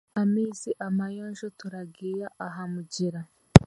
Amaizi amayonjo turagiiya ahamugyera.